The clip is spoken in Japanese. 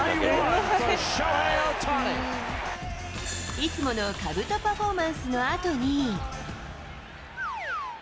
いつものかぶとパフォーマンスのあとに。